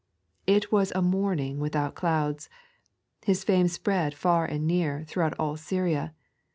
It was a morning without clouds. His fame spread far and near throughout all Syria.